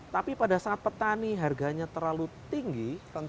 tapi pada saat petani harganya terlalu tinggi